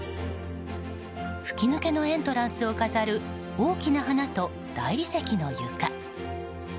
吹き抜けのエントランスを飾る大きな花と大理石の床。